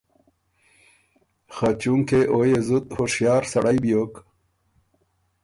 خه چونکې او يې زُت هوشیار سړئ بیوک